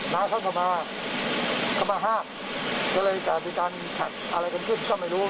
น้าเขาก็มาเข้ามาห้ามก็เลยจะมีการขัดอะไรกันขึ้นก็ไม่รู้